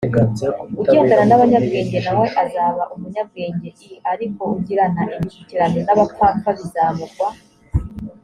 ugendana n abanyabwenge na we azaba umunyabwenge i ariko ugirana imishyikirano n abapfapfa bizamugwa